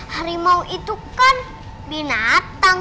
harimau itu kan binatang